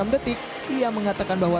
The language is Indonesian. tujuh puluh enam detik ia mengatakan bahwa